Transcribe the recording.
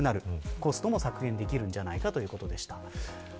コストも削減できるのではないかということでした。